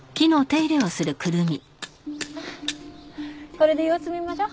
これで様子見ましょう。